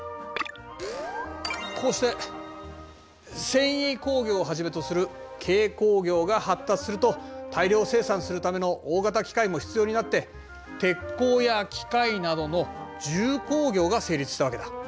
こうして繊維工業をはじめとする軽工業が発達すると大量生産するための大型機械も必要になって鉄鋼や機械などの重工業が成立したわけだ。